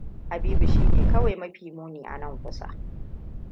Habibu shine kawai mafi muni a nan kusa.